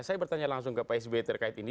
saya bertanya langsung ke pak sby terkait ini